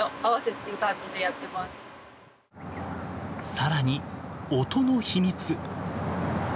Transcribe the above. さらに音の秘密。